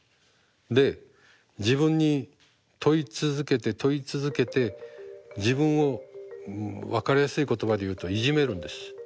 で自分に問い続けて問い続けて自分を分かりやすい言葉で言うといじめるんです。